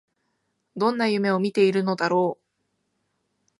どんな夢を見ているのだろう